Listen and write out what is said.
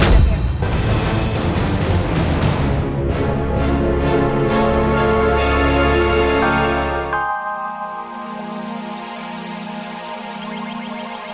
nah omdat chris bareng gue